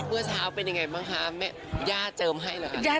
เมื่อเช้าเป็นยังไงบ้างคะแม่ย่าเจิมให้เหรอคะ